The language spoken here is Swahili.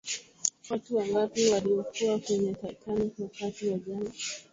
watu wangapi waliyokuwa kwenye titanic wakati wa janga